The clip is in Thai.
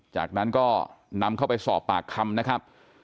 จากนั้นก็นำเข้าไปสอบปากคำนะครับ